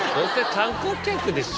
「観光客でしょ」。